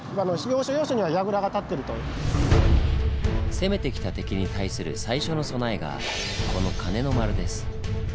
攻めてきた敵に対する最初の備えがこの「鐘の丸」です。